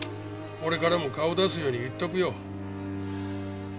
俺からも顔を出すように言っとくよ。